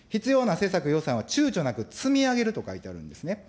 必要な施策、予算はちゅうちょなく、積み上げると書いてあるんですね。